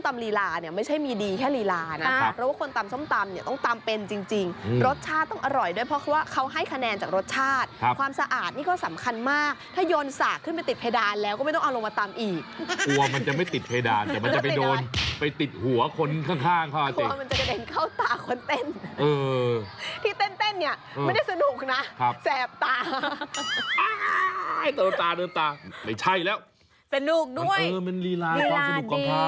ไม่ใช่แล้วมันเออมันรีรายกว่าสนุกกว่าพร้าวสนุกด้วยรีรายดี